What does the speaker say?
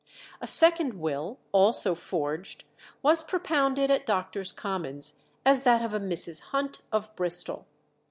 A second will, also forged, was propounded at Doctors Commons as that of a Mrs. Hunt of Bristol.